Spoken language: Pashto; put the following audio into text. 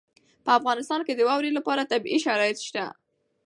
په افغانستان کې د واورې لپاره طبیعي شرایط شته.